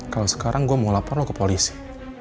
kalau sekarang gue mau lapor ke polisi